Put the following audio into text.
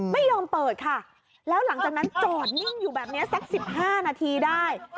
ไม่ยอมเปิดค่ะแล้วหลังจากนั้นจอดนิ่งอยู่แบบนี้สัก๑๕นาทีได้